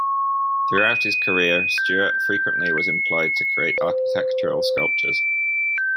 Throughout his career Stewart frequently was employed to create architectural sculptures.